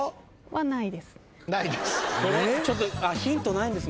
「ないです」